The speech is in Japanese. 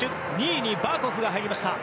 ２位にバーコフが入りました。